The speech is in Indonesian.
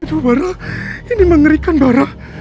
aduh bara ini mengerikan bara